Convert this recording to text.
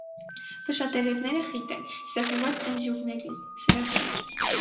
Փշատերևները խիտ են, սեղմված ընձյուղներին, սրածայր։